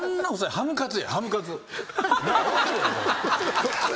ハムカツ？